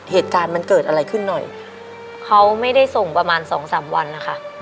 เหตุการณ์มันเกิดอะไรขึ้นหน่อยเขาไม่ได้ส่งประมาณสองสามวันนะคะ